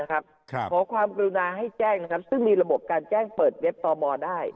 ขอความกรุณาให้แจ้งซึ่งมีระบบการแจ้งเปิดเว็บตมได้